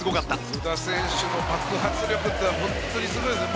須田選手の爆発力というのはすごいですね。